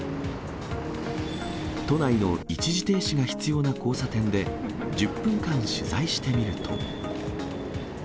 都内の一時停止が必要な交差点で、１０分間取材してみると。